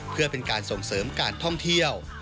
เพื่อเป็นการส่งเสริมการท่องเที่ยว